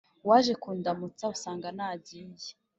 waje kundamutsa usanga nagiye